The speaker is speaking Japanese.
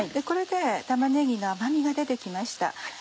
これで玉ねぎの甘みが出て来ました。